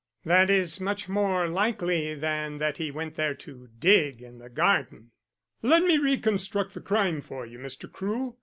"That is much more likely than that he went there to dig in the garden." "Let me reconstruct the crime for you, Mr. Crewe.